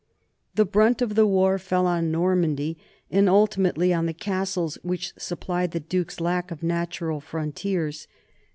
The brunt of the war fell on Normandy and ulti mately on the castles which supplied the duchy's lack of natural frontiers.